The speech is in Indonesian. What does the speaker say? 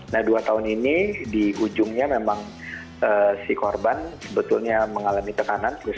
nah dua tahun ini di ujungnya memang si korban sebetulnya mengalami tekanan